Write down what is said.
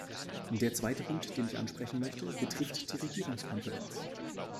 Der zweite Punkt, den ich ansprechen möchte, betrifft die Regierungskonferenz.